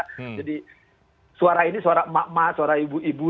jadi suara ini suara emak emak suara ibu ibu